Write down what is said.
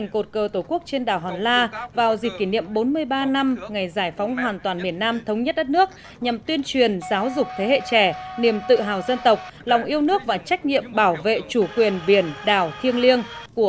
cột cờ tổ quốc đảo hòn la được khởi công vào tháng một mươi hai năm hai nghìn một mươi bảy công trình có chiều cao trên hai mươi hai sáu mét trong khuôn viên gần một hai tỷ đồng